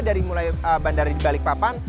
dari bandara di balikpapan